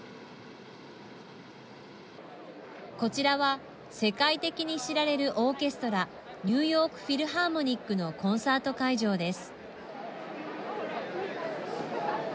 こちらは、世界的に知られるオーケストラニューヨーク・フィルハーモニックのコンサート会場です。